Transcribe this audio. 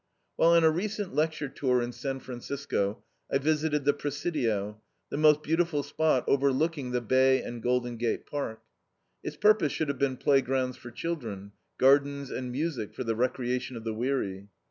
While on a recent lecture tour in San Francisco, I visited the Presidio, the most beautiful spot overlooking the Bay and Golden Gate Park. Its purpose should have been playgrounds for children, gardens and music for the recreation of the weary.